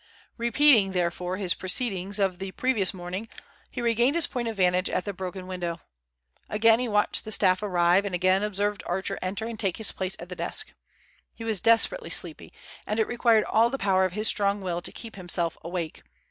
Repeating, therefore, his proceedings of the previous morning, he regained his point of vantage at the broken window. Again he watched the staff arrive, and again observed Archer enter and take his place at his desk. He was desperately sleepy, and it required all the power of his strong will to keep himself awake.